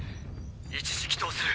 一時帰投する。